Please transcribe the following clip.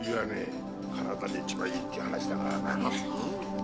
体に一番いいっていう話だから。